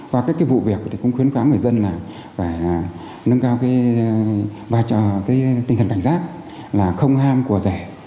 và cái vụ việc cũng khuyến kháng người dân là phải nâng cao tình thần cảnh giác là không ham của rẻ